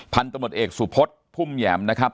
พันธมตเอกสุพศพุ่มแหยมนะครับ